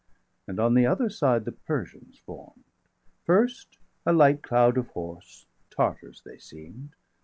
135 And on the other side the Persians form'd; First a light cloud of horse, Tartars they seem'd.